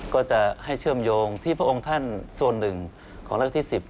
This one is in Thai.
ก็จะให้เชื่อมโยงที่พระองค์ท่านส่วนหนึ่งของราชการที่๑๐